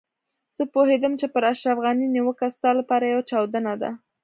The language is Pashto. زه پوهېدم چې پر اشرف غني نيوکه ستا لپاره يوه چاودنه ده.